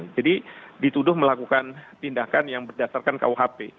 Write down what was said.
jadi dituduh melakukan tindakan yang berdasarkan kuhp